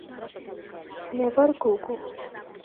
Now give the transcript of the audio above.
მე ვარ გოგო